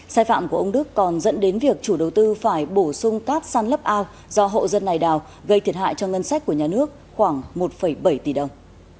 sai phạm của ông đức còn dẫn đến việc chủ đầu tư phải bổ sung các săn lấp ao do hộ dân này đào gây thiệt hại cho ngân sách của nhà nước khoảng một bảy tỷ đồng